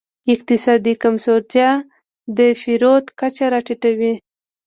اقتصادي کمزورتیا د پیرود کچه راټیټوي.